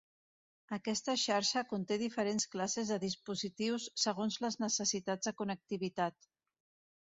Aquesta xarxa conte diferents classes de dispositius segons les necessitats de connectivitat.